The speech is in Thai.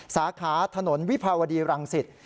สาขาถนนวิภาวดีรังสิต